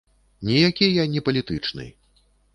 Ніякі я не палітычны.